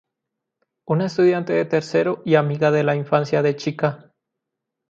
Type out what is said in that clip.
Una estudiante de tercero y amiga de la infancia de Chika.